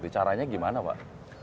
caranya bagaimana pak